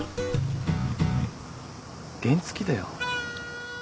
原付だよ。